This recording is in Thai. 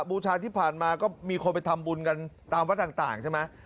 บูชาที่ผ่านมาก็มีคนไปทำบุญกันตามวัดต่างใช่ไหม